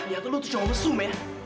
dia tuh lo tuh cowok mesum ya